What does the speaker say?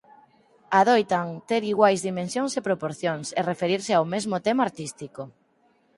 Adoitan ter iguais dimensións e proporcións e referirse ao mesmo tema artístico.